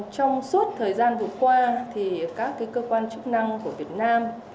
trong suốt thời gian vừa qua thì các cơ quan chức năng của việt nam